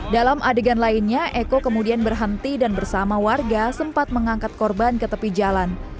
dalam adegan lainnya eko kemudian berhenti dan bersama warga sempat mengangkat korban ke tepi jalan